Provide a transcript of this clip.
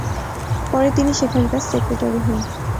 পরে তিনি সেখানকার সেক্রেটারি হন।